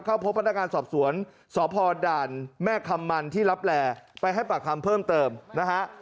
เข้าพบพนักงานสอบสวนสพด่านแม่คำมันที่รับแหลไปให้ปากคำเพิ่มเติมนะฮะ